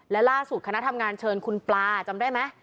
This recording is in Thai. และล่าสุดคณะทำงานเชิญคุณปลาจำได้ไหม